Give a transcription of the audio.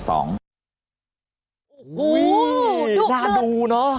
โอ้โหน่าดูเนอะ